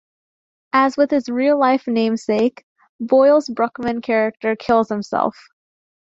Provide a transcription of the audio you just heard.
As with his real-life namesake, Boyle's Bruckman character kills himself.